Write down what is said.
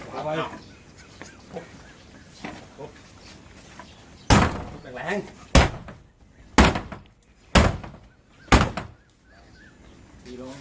เปิดประตูหน่อย